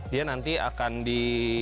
dia nanti akan di